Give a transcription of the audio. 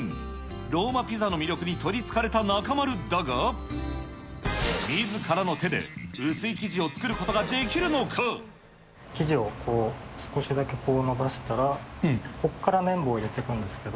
ローマピザの魅力にとりつかれた中丸だが、みずからの手で薄い生生地をこう、少しだけこう伸ばしたら、ここから麺棒を入れていくんですけど。